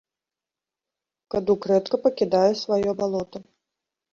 Кадук рэдка пакідае сваё балота.